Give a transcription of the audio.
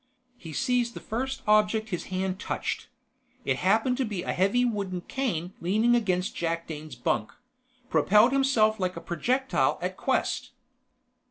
He seized the first object his hand touched it happened to be a heavy wooden cane leaning against Jakdane's bunk propelled himself like a projectile at Quest.